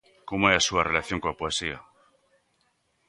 Como é a súa relación coa poesía?